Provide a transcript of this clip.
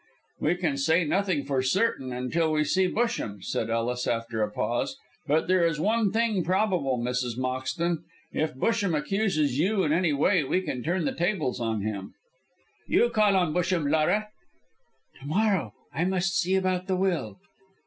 "We can say nothing for certain until we see Busham," said Ellis, after a pause, "but there is one thing probable, Mrs. Moxton. If Busham accuses you in any way we can turn the tables on him." "You call on Busham, Laura." "To morrow. I must see about the will."